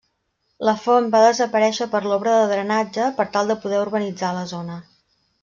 La font va desaparèixer per l'obra de drenatge per tal de poder urbanitzar la zona.